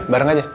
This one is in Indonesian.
eh bareng aja